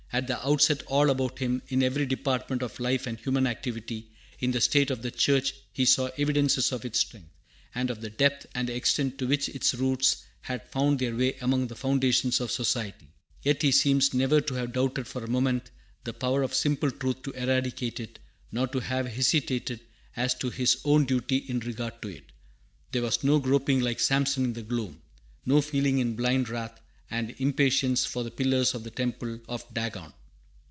At the outset, all about him, in every department of life and human activity, in the state and the church, he saw evidences of its strength, and of the depth and extent to which its roots had wound their way among the foundations of society. Yet he seems never to have doubted for a moment the power of simple truth to eradicate it, nor to have hesitated as to his own duty in regard to it. There was no groping like Samson in the gloom; no feeling in blind wrath and impatience for the pillars of the temple of Dagon.